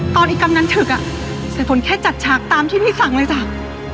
ตอนกำนันถึกอ่ะใส่ฝนแค่จัดฉากตามที่พี่สั่งเลยสาว